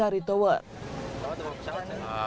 rizwan menoncak dari tower